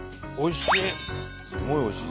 おいしい！